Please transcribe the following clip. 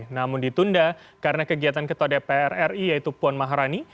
namun ditunda karena kegiatan ketua dpr ri yaitu puan maharani